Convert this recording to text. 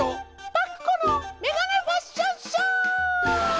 パクこのめがねファッションショー！